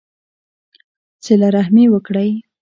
صلہ رحمي وکړئ